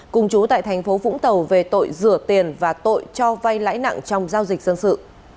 cùng chú tại thành phố vũng tàu về tội rửa tiền và tội cho vay lãi nặng trong giao dịch dân sự